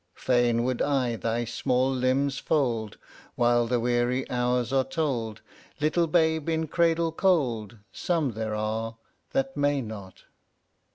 Fain would I thy small limbs fold, While the weary hours are told, Little babe in cradle cold. Some there are that may not.